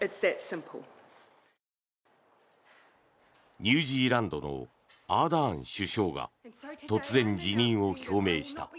ニュージーランドのアーダーン首相が突然、辞任を表明した。